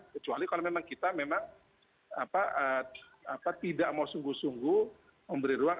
kecuali kalau memang kita memang tidak mau sungguh sungguh memberi ruang